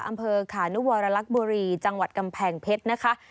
อำเภอขานุวรรลักษณ์บุรีจังหวัดกำแพงเพชรนะคะ